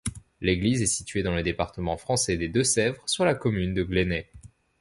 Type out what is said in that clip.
L'église est située dans le département français des Deux-Sèvres, sur la commune de Glénay.